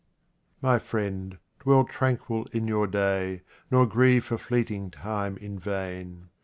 My friend, dwell tranquil in your day, nor grieve for fleeting time in vain.